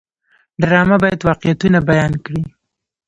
ډرامه باید واقعیتونه بیان کړي